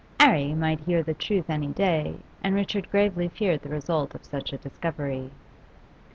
'Arry might hear the truth any day, and Richard gravely feared the result of such a discovery.